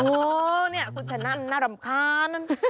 โหนี่คุณฉันน่ารำคาญ